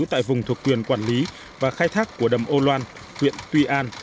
tại vùng thuộc quyền quản lý và khai thác của đầm âu loan huyện tuy an